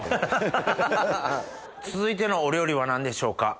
続いてのお料理は何でしょうか？